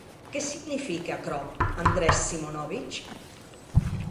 Qué signifique aquerò, Andrés Simonovitch?